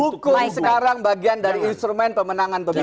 hukum sekarang bagian dari instrumen pemenangan pemilu